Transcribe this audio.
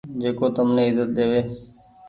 جيڪو تم ني ايزت ۮيوي